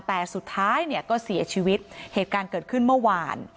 แต่สุดท้ายเนี่ยก็เสียชีวิตเหตุการณ์เกิดขึ้นเมื่อวาน